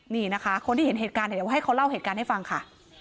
นี่นะคะคนที่เห็นเหตุการณ์เดี๋ยวให้เขาเล่าเหตุการณ์ให้ฟังค่ะ